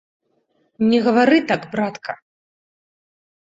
Не гавары так, братка!